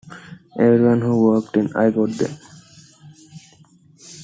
Everyone who walked in, I got them.